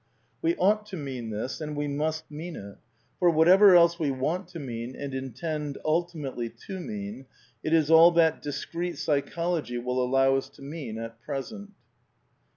We ought to mean this, and we must mean it ; for, what ever else we want to mean and intend ultimately to mean, it is all that discreet Psychology will allow us to mean at present.